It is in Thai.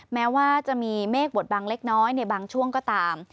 แม้ว่าจะมีเมฆบทบังเล็กน้อยในบางช่วงก็ตาม